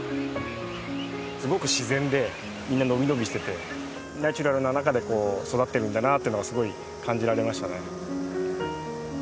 すごく自然でみんな伸び伸びしててナチュラルな中で育ってるんだなっていうのがすごい感じられましたね。